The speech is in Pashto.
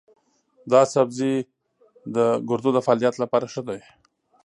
دا سبزی د ګردو د فعالیت لپاره ښه دی.